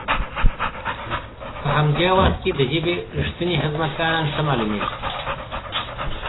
په همدي وخت کې د ژبې رښتني خدمت کاران ښه مالومیږي.